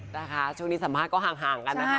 นะคะช่วงนี้สัมภาษณ์ก็ห่างกันนะคะ